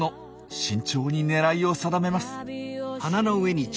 慎重に狙いを定めます。